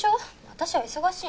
私は忙しいの。